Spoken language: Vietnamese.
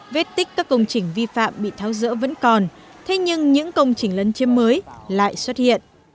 vết tích các công trình vi phạm bị tháo rỡ vẫn còn thế nhưng những công trình lấn chiếm mới lại xuất hiện